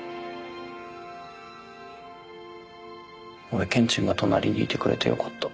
俺ケンチンが隣にいてくれてよかった。